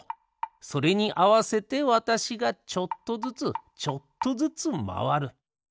それにあわせてわたしがちょっとずつちょっとずつまわる。